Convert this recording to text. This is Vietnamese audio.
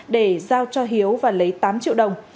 để giao cho hiếu và lấy tám triệu đồng